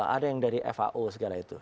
ada yang dari fao segala itu